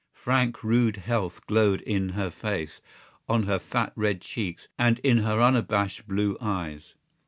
Frank rude health glowed in her face, on her fat red cheeks and in her unabashed blue eyes.